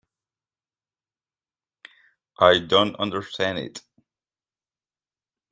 I don't understand it.